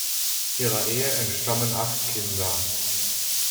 Ihrer Ehe entstammen acht Kinder.